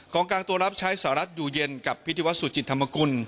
กลางตัวรับใช้สหรัฐอยู่เย็นกับพิธีวัฒสุจิตธรรมกุล